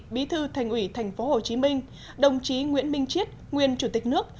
bí thư thành ủy thành phố hồ chí minh đồng chí nguyễn minh chiết nguyên chủ tịch nước